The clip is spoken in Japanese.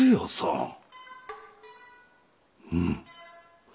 うん。